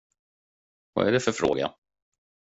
Vad är det för fråga?